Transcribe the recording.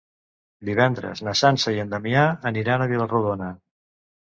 Divendres na Sança i en Damià aniran a Vila-rodona.